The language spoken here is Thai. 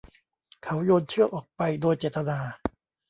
เขาโยนเชือกออกไปโดยเจตนา